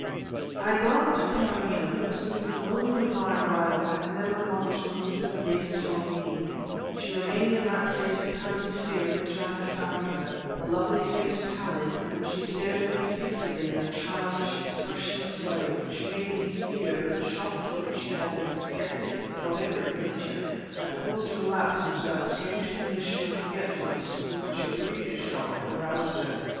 I glanced at Karamaneh who, since the moment of my arrival had never once removed her gaze from me; she remained in that state of passive fear in which I had found her, the lovely face pallid; and she stared at me fixedly in a childish, expressionless way which made me fear that the shock to which she had been subjected, whatever its nature, had caused a relapse into that strange condition of forgetfulness from which a previous shock had aroused her.